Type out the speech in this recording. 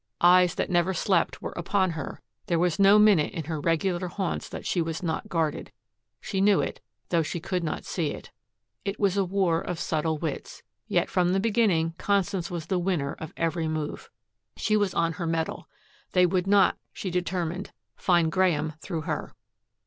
Eyes that never slept were upon her; there was no minute in her regular haunts that she was not guarded. She knew it, though she could not see it. It was a war of subtle wits. Yet from the beginning Constance was the winner of every move. She was on her mettle. They would not, she determined, find Graeme through her.